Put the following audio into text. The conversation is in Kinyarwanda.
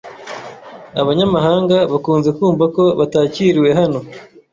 Abanyamahanga bakunze kumva ko batakiriwe hano.